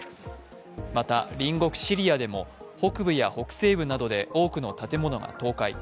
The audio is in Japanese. また隣国シリアでも北部や北西部などで多くの建物が倒壊。